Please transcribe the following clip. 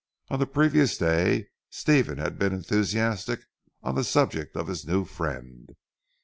On the previous day, Stephen had been enthusiastic on the subject of his new friend.